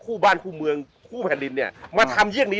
ชื่องนี้ชื่องนี้ชื่องนี้ชื่องนี้ชื่องนี้ชื่องนี้